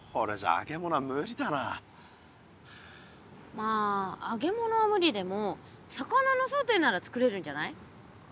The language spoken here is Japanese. まあ揚げ物はむりでも魚のソテーならつくれるんじゃない？